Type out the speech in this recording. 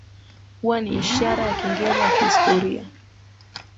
kuwa ni ishara ya kengele ya kihistoria